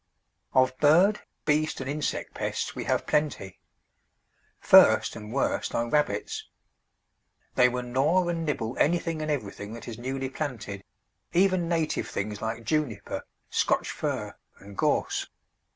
Of bird, beast, and insect pests we have plenty. First, and worst, are rabbits. They will gnaw and nibble anything and everything that is newly planted, even native things like Juniper, Scotch Fir, and Gorse.